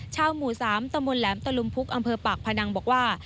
ชาวหมู่๓ตมลมตลมพุกอำเภอปากพนังบอกว่า